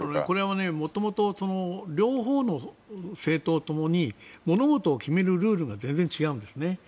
これは元々両方の政党ともに物事を決めるルールが全然違うんですね。